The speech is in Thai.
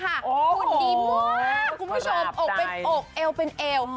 หุ่นดีมากคุณผู้ชมอกเป็นอกเอวเป็นเอว